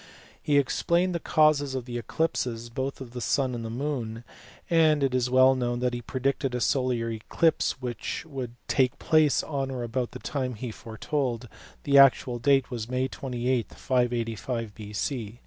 He explained the causes of the eclipses both of the sun and moon, and it is well known that he predicted a solar eclipse which took place at or about the time he foretold : the actual date was May 28, 585 B.C.